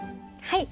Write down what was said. はい。